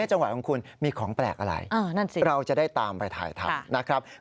จังหวัดของคุณมีของแปลกอะไรนะครับเราจะได้ตามไปถ่ายธรรมนะครับอ๋อนั่นสิ